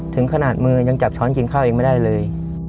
ถึงขนาดมือยังจับช้อนกินข้าวเองไม่ได้เลย